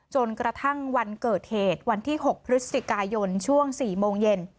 จนกระทั่งวันเกิดเหตุวันที่๖พฤศจิกายนช่วง๔โมงเย็น